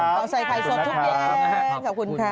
ออกใส่ไพรสดทุกอย่างขอบคุณค่ะ